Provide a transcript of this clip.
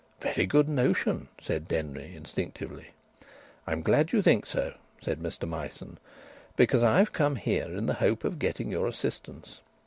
"Very good notion," said Denry, instinctively. "I'm glad you think so," said Mr Myson. "Because I've come here in the hope of getting your assistance.